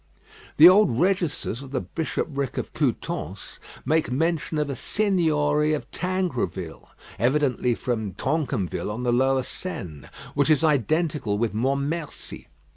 The old registers of the Bishopric of Coutances make mention of a Seigniory of Tangroville, evidently from Tancarville on the lower Seine, which is identical with Montmorency.